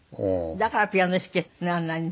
だからピアノ弾けるあんなにね。